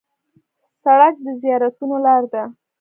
سړک د زیارتونو لار ده.